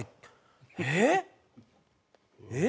えっ？